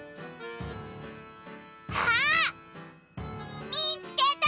あっ！みつけた！